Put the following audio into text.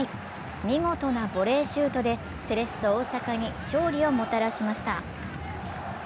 見事なボレーシュートでセレッソ大阪に勝利をもたらしました。